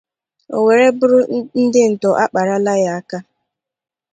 o were bụrụ ndị ntọ akparala ya aka.